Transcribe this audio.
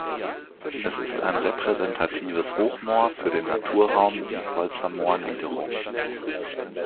Es ist ein repräsentatives Hochmoor für den Naturraum Diepholzer Moorniederung.